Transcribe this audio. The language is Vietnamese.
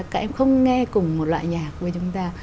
các em không nghe cùng một loại nhạc của chúng ta